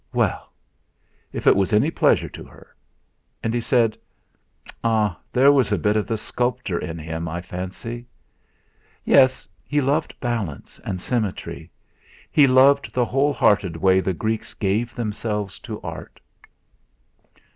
Well! If it was any pleasure to her! And he said: "Ah! There was a bit of the sculptor in him, I fancy." "Yes. He loved balance and symmetry; he loved the whole hearted way the Greeks gave themselves to art."